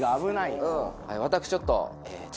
私ちょっと。